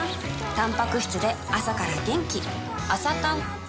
たんぱく質で朝から元気